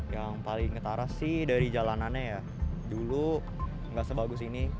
yang paling ketara sih dari jalanannya ya dulu nggak sebagus ini